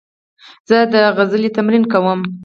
زه د سندرې تمرین کوم.